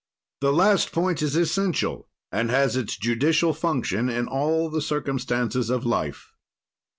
"The last point is essential and has its judicial function in all the circumstances of life.